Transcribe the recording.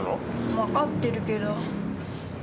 分かってるけど。